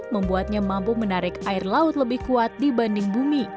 membuatnya mampu menarik air laut lebih kuat dibanding bumi